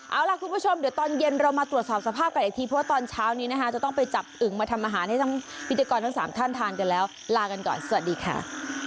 เอาล่ะคุณผู้ชมเดี๋ยวตอนเย็นเรามาตรวจสอบสภาพกันอีกทีเพราะว่าตอนเช้านี้นะคะจะต้องไปจับอึงมาทำอาหารให้ทั้งพิธีกรทั้ง๓ท่านทานกันแล้วลากันก่อนสวัสดีค่ะ